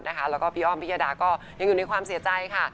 แล้วก็พี่อ้อมพิยดาก็ยังอยู่ในความเสียใจค่ะ